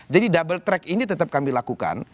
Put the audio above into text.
jadi double track ini tetap kami lakukan